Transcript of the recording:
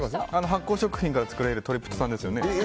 発酵食品から作られるトリプトファンですよね。